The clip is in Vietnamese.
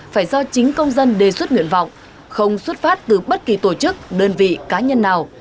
phải do chính công dân đề xuất nguyện vọng không xuất phát từ bất kỳ tổ chức đơn vị cá nhân nào